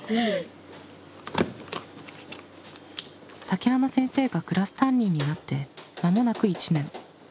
竹花先生がクラス担任になってまもなく１年。